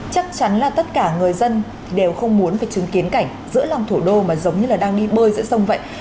chắc chắn là tất cả người dân đều không muốn phải chứng kiến cảnh giữa lòng thủ đô mà giống như là đang đi bơi giữa sông vậy